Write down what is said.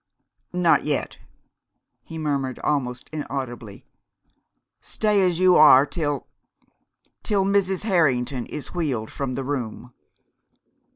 "Not yet," he murmured almost inaudibly. "Stay as you are till till Mrs. Harrington is wheeled from the room."